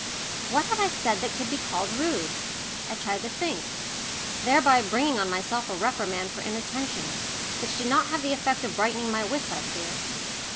What had I said that could be called rude? I tried to think, thereby bringing on myself a reprimand for inattention, which did not have the effect of brightening my wits, I fear.